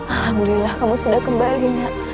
alhamdulillah kamu sudah kembali